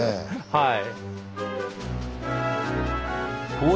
はい。